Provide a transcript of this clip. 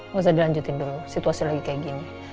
nggak usah dilanjutin dulu situasi lagi kayak gini